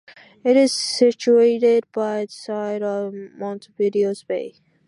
It is situated by the side of Montevideo's bay.